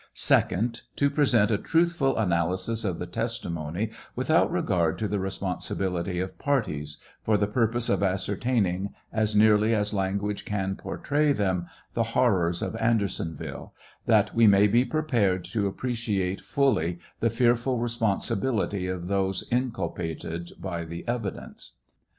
2d. To present a truthful analysis of the testimony without regard to the responsibility of parties, for the purpose of ascertaining, as nearly as language can portray them, the horrors of Andersonville, that we may be prepared to appreciate fully the fearful responsibility of those inculpated by the evidence.